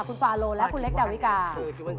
คุณฟาโลและคุณเล็กดาวิกา